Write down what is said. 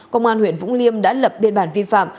công an huyện vũng liêm đã lập biên bản vi phạm